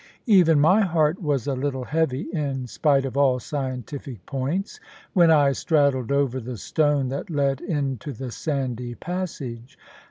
Even my heart was a little heavy, in spite of all scientific points, when I straddled over the stone that led into the sandy passage.